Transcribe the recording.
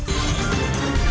kameranya gerak banget